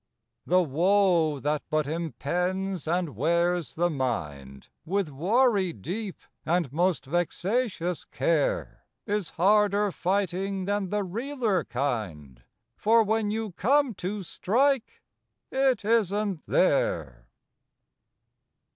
The woe that but impends and wears the mind With worry deep and most vexatious care, Is harder fighting than the realler kind, For when you come to strike it isn t there